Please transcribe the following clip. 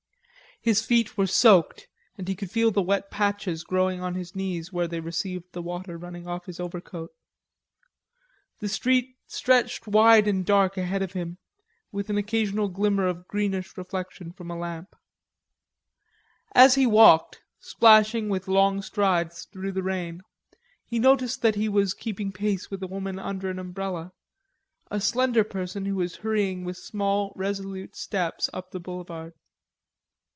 His feet were soaked and he could feel the wet patches growing on his knees where they received the water running off his overcoat. The street stretched wide and dark ahead of him, with an occasional glimmer of greenish reflection from a lamp. As he walked, splashing with long strides through the rain, he noticed that he was keeping pace with a woman under an umbrella, a slender person who was hurrying with small resolute steps up the boulevard.